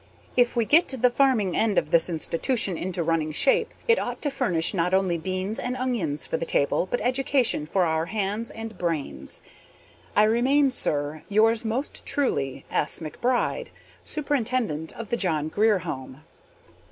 If we get the farming end of this institution into running shape, it ought to furnish not only beans and onions for the table, but education for our hands and brains. I remain, sir, Yours most truly, S. McBRIDE, Superintendent of the John Grier Home.